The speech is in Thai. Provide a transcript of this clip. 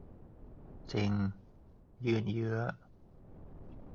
จริง ยืดเยื้อ